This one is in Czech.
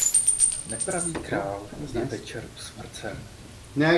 Nepravý král je večer usmrcen.